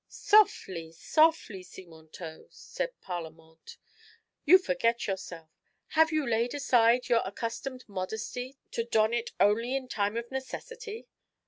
" Softly, softly, Simontault," said Parlamente ;" you forget yourself. Have you laid aside your accustomed modesty to don it only in time of necessity?"